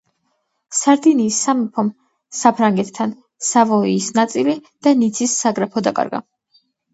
სარდინიის სამეფომ საფრანგეთთან სავოიის ნაწილი და ნიცის საგრაფო დაკარგა.